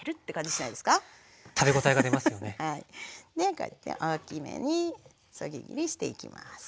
こうやって大きめにそぎ切りしていきます。